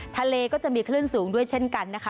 ทะเลก็จะมีคลื่นสูงด้วยเช่นกันนะคะ